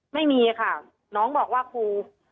ไม่มีค่ะน้องบอกว่าครู